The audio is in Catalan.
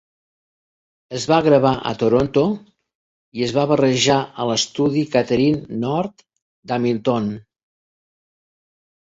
Es va gravar a Toronto i es va barrejar a l'estudi Catherine North d'Hamilton.